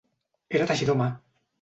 Era teixidor a mà.